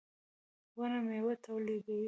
• ونه مېوه تولیدوي.